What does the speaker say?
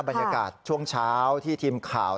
บรรยากาศช่วงเช้าที่ทีมข่าว